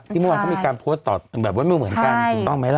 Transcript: ที่หมอเขามีการโพสตตอดเป็นแบบมายุนเหมือนกันถูกต้องมั้ยล่ะ